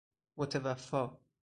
متوفی